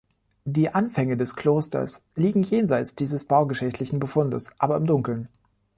Die Anfänge des Klosters liegen jenseits dieses baugeschichtlichen Befundes aber im Dunkeln.